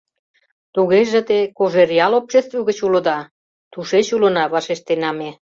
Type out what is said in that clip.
— Тугеже те Кожеръял общество гыч улыда?» — «Тушеч улына», — вашештена ме.